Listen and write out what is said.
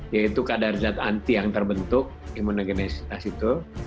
yaitu kadar zat anti yang terbentuk imunogenesitas itu